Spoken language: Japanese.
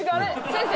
先生。